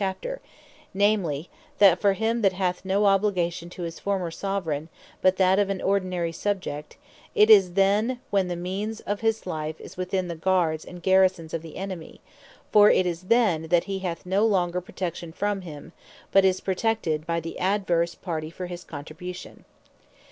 Chapter; namely, that for him that hath no obligation to his former Soveraign but that of an ordinary Subject, it is then, when the means of his life is within the Guards and Garrisons of the Enemy; for it is then, that he hath no longer Protection from him, but is protected by the adverse party for his Contribution.